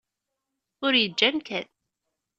Ur yeǧǧi amkan.